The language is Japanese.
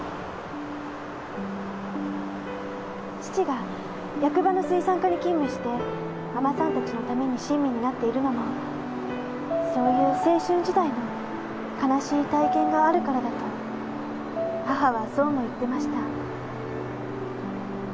父が役場の水産課に勤務して海女さんたちのために親身になっているのもそういう青春時代の悲しい体験があるからだと母はそうも言ってました。